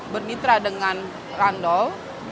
bernitra dengan randol